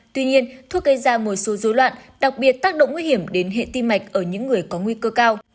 tuy nhiên thuốc gây ra một số dối loạn đặc biệt tác động nguy hiểm đến hệ tim mạch ở những người có nguy cơ cao